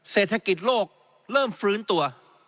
เศรษฐกิจโลกเริ่มฟื้นตัว